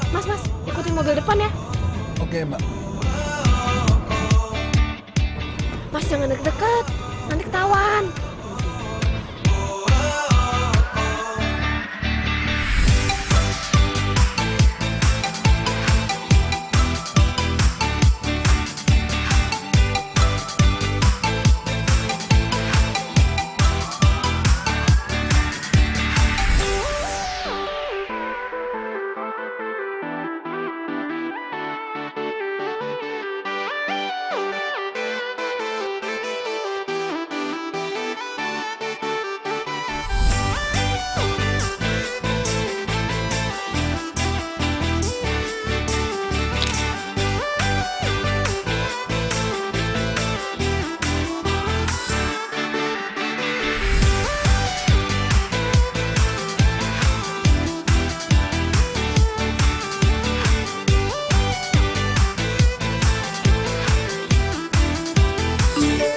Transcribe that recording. mas mas ikutin mobil depan ya